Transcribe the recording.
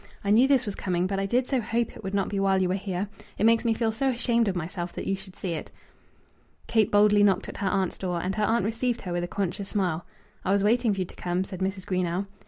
I knew this was coming, but I did so hope it would not be while you were here. It makes me feel so ashamed of myself that you should see it." Kate boldly knocked at her aunt's door, and her aunt received her with a conscious smile. "I was waiting for you to come," said Mrs. Greenow.